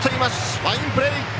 ファインプレー！